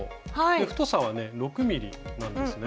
太さはね６．０ｍｍなんですね。